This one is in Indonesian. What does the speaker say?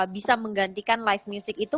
bisa menggantikan live music itu